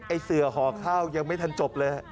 เสือห่อข้าวยังไม่ทันจบเลย